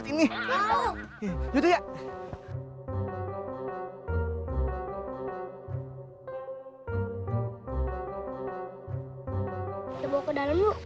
kita bawa ke dalam dulu